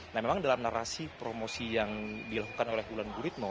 nah memang dalam narasi promosi yang dilakukan oleh wulan guritno